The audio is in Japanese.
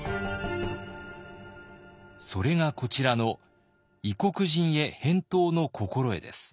それがこちらの「異国人江返答之心得」です。